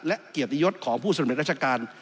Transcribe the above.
และเกียรติยศของผู้สำเร็จราชการ